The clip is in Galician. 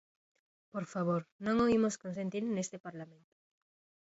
Por favor, non o imos consentir neste Parlamento.